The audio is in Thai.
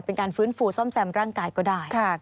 เป็นการฟื้นฟูซ่อมแซมร่างกายก็ได้